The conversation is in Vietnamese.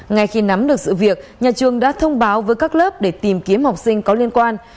ngay khi nắm được sự việc nhà trường đã thông báo với các lớp để tìm kiếm học sinh có liên quan